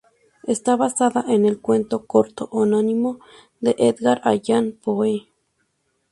Está basada en el cuento corto homónimo de Edgar Allan Poe.